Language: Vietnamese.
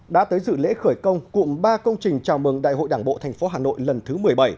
đã tới dự lễ khởi công cùng ba công trình chào mừng đại hội đảng bộ thành phố hà nội lần thứ một mươi bảy